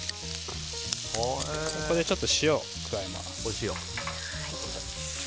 ここで、ちょっと塩を加えます。